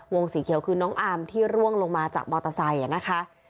สีเขียวคือน้องอามที่ร่วงลงมาจากมอเตอร์ไซค์นะคะ